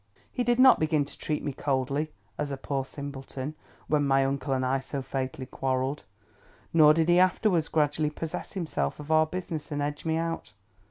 He did not begin to treat me coldly, as a poor simpleton, when my uncle and I so fatally quarrelled; nor did he afterwards gradually possess himself of our business and edge me out.